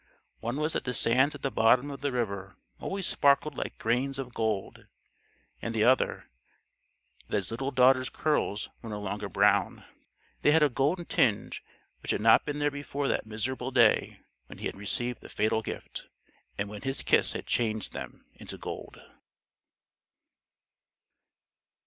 One was that the sands at the bottom of the river always sparkled like grains of gold: and the other, that his little daughter's curls were no longer brown. They had a golden tinge which had not been there before that miserable day when he had received the fatal gift, and when his kiss had changed them into gold.